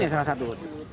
ya ini salah satu